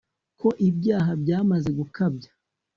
ko ibyaha byamaze gukabya